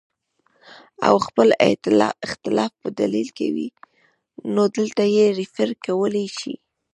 او خپل اختلاف پۀ دليل کوي نو دلته ئې ريفر کولے شئ